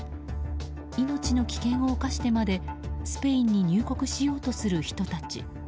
命の危険を冒してまでスペインに入国しようとする人たち。